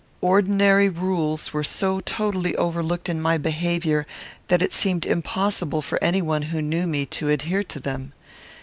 Ordinary rules were so totally overlooked in my behaviour, that it seemed impossible for any one who knew me to adhere to them.